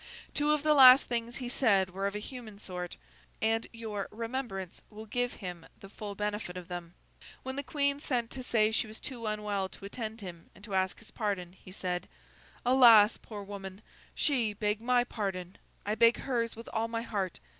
Two of the last things he said were of a human sort, and your remembrance will give him the full benefit of them. When the Queen sent to say she was too unwell to attend him and to ask his pardon, he said, 'Alas! poor woman, she beg my pardon! I beg hers with all my heart.